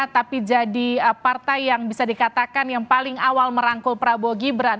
tapi jadi partai yang bisa dikatakan yang paling awal merangkul prabowo gibran